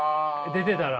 出てたら？